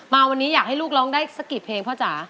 มาวันนี้อยากให้ลูกร้องได้สักกี่เพลงพ่อจ๋า